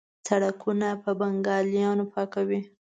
سړکونه په بنګالیانو پاکوي.